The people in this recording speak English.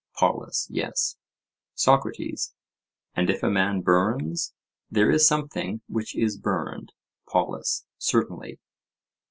POLUS: Yes. SOCRATES: And if a man burns, there is something which is burned? POLUS: Certainly.